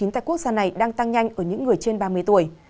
tại quốc gia này đang tăng nhanh ở những người trên ba mươi tuổi